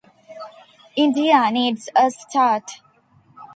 India needs a start.